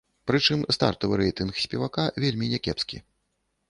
Прычым стартавы рэйтынг спевака вельмі някепскі.